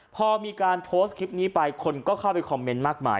พอมีการโพสต์คลิปนี้ไปคนก็เข้าไปคอมเมนต์มากมาย